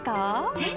えっ？